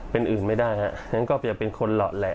เป็นอื่นไม่ได้ครับอย่างนั้นก็อย่าเป็นคนหลอดแหละ